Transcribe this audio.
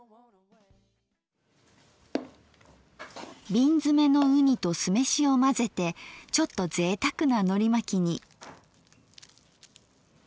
瓶詰めのうにと酢飯を混ぜてちょっとぜいたくなのりまきに。